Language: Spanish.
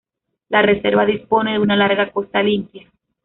La reserva dispone de una larga costa limpia.